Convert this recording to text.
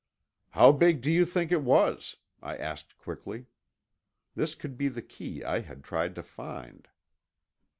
"How big do you think it was?" I asked quickly. This could be the key I had tried to find.